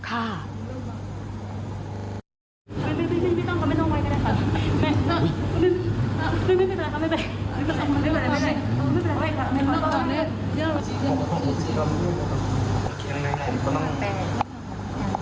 ปุ๊บมากครับปุ๊บทราบดีครับ